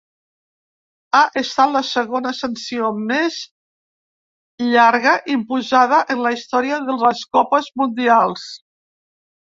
Ha estat la segona sanció més llarga imposada en la història de les Copes Mundials.